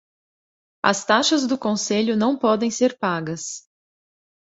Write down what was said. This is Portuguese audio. As taxas do conselho não podem ser pagas.